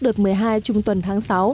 đợt một mươi hai trung tuần tháng sáu